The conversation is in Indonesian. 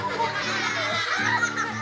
yang pakai baju ini